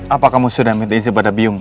apa kamu sudah minta izin pada bium